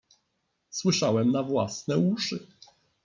"Słyszałem na własne uszy."